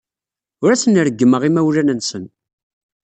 Ur asen-reggmeɣ imawlan-nsen.